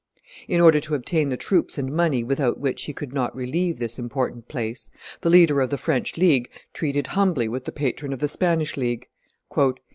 In order to obtain the troops and money without which he could not relieve this important place, the leader of the French League treated humbly with the patron of the Spanish League.